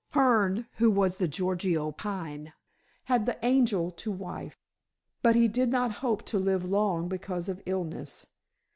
Hearne, who was the Gorgio Pine, had the angel to wife, but he did not hope to live long because of illness."